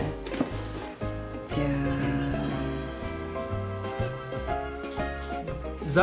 じゃん！